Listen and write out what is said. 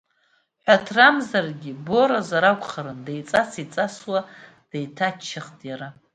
Ҳәаҭрамзаргьы, боразар акәхарын, деиҵас-еиҵасуа деиҭаччахт иара.